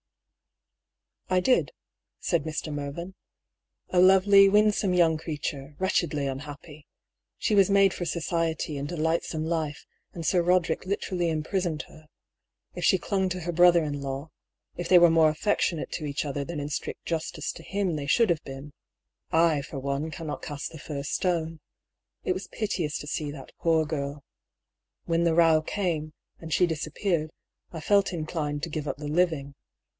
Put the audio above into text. I did," said Mr. Mervyn. " A lovely, winsome young creature; wretchedly unhappy. She was made for society and a lightsome life, and Sir Roderick literally imprisoned her. If she clung to her brother in law — if they were more affectionate to each other than in strict justice to him they should have been, — I, for one, cannot cast the first stone. It was piteous to see that poor girl. When the row came, and she dis appeared, I felt inclined to give up the living.